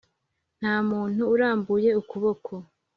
nta muntu urambuye ukuboko